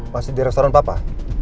masih di restoran papa